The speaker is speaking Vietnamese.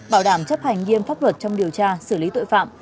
bảo đảm chấp hành nghiêm pháp luật trong điều tra xử lý tội phạm